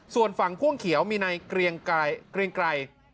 ส่วนฝั่งพ่วงเขียวมีในเกรียงไกร